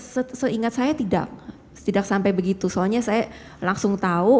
seingat saya tidak sampai begitu soalnya saya langsung tahu